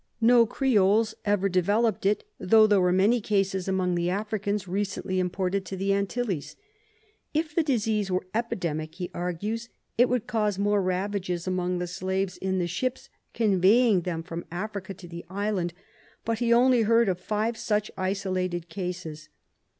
No Creoles ever de veloped it, though there were many cases among the Africans recently imported to the Antilles. If the disease were epidemic, he argues, it would cause more ravages among the slaves in the ships conveying them from Africa to the island, but he only heard of five such isolated cases.